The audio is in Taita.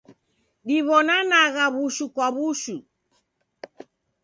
Diw'onanagha w'ushu kwa w'ushu.